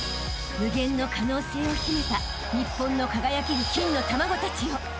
［無限の可能性を秘めた日本の輝ける金の卵たちよ］